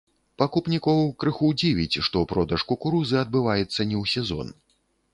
Пакупнікоў крыху дзівіць, што продаж кукурузы адбываецца не ў сезон.